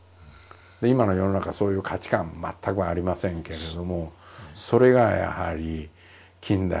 今の世の中そういう価値観全くありませんけれどもそれがやはり近代が見失っていた人間のだ